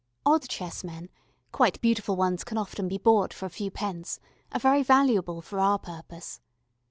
Odd chessmen quite beautiful ones can often be bought for a few pence are very valuable for our purpose.